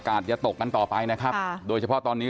อย่าตกกันต่อไปนะครับโดยเฉพาะตอนนี้